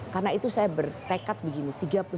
karena itu saya bertekad begini